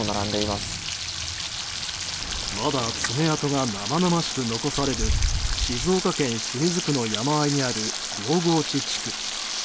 まだ爪痕が生々しく残される静岡県清水区の山あいにある両河内地区。